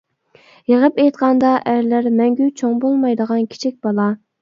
يىغىپ ئېيتقاندا ئەرلەر مەڭگۈ چوڭ بولمايدىغان كىچىك بالا.